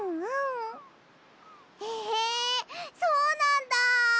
へえそうなんだ！